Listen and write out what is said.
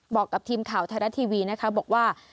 บอกกับทีมข่าวไทยรัฐทีวีนะคะบอกว่า